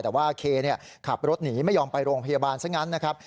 แต่ว่าเคขับรถหนีไม่ยอมไปโรงพยาบาลซะงั้นนะครับ